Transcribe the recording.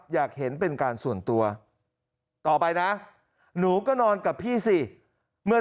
อยากเห็นเป็นการส่วนตัวต่อไปนะหนูก็นอนกับพี่สิเมื่อ